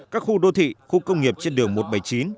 các khu đô thị khu công nghiệp trên đường một trăm bảy mươi chín